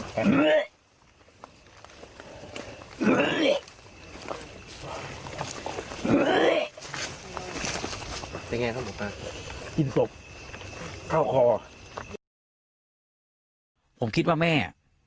ผมคิดว่าแม่